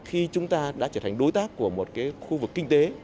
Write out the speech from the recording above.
khi chúng ta đã trở thành đối tác của một khu vực kinh tế